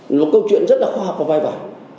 nó là một câu chuyện rất là khoa học và vai vàng